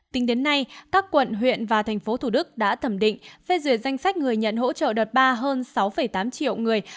tính đến nay các quận huyện và thành phố thủ đức đã thẩm định phê duyệt danh sách người nhận hỗ trợ đợt ba hơn sáu tám triệu người